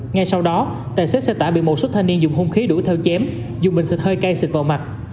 ngay sau đó tài xế xe tải bị một số thanh niên dùng hung khí đuổi theo chém dùng bình xịt hơi cay xịt vào mặt